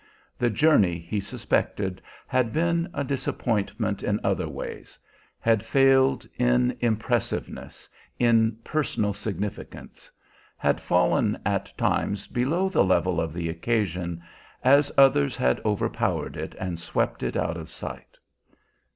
The journey, he suspected, had been a disappointment in other ways, had failed in impressiveness, in personal significance; had fallen at times below the level of the occasion, at others had overpowered it and swept it out of sight.